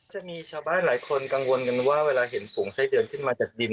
จะมีชาวบ้านหลายคนกังวลกันว่าเวลาเห็นฝูงไส้เดือนขึ้นมาจากดิน